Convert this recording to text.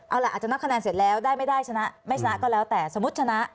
เอาล่ะอาจจะนับคะแนนเสร็จแล้วได้ไม่ได้ชนะไม่ชนะก็แล้วแต่สมมุติชนะ